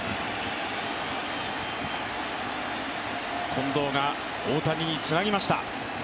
近藤が大谷につなぎました。